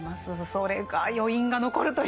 それが余韻が残るというか。